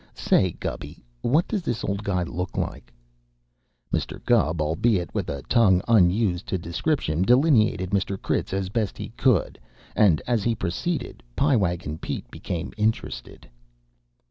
Say, Gubby, what does this old guy look like?" Mr. Gubb, albeit with a tongue unused to description, delineated Mr. Critz as best he could, and as he proceeded, Pie Wagon Pete became interested.